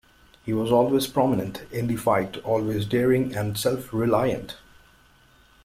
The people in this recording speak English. He was always prominent in the fight, always daring and self-reliant.